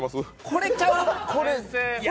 これちゃう？